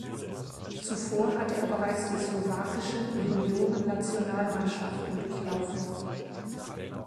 Zuvor hatte er bereits die slowakischen Juniorennationalmannschaften durchlaufen.